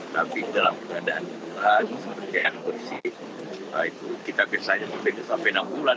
tapi dalam keadaan yang bersih kita bisa sampai enam bulan